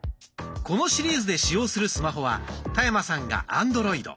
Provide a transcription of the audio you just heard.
このシリーズで使用するスマホは田山さんがアンドロイド。